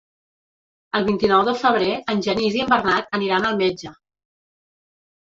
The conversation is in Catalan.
El vint-i-nou de febrer en Genís i en Bernat aniran al metge.